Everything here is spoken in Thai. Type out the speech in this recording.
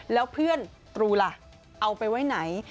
แล้วเพื่อนตรูล่ะเอาไปไว้ไหน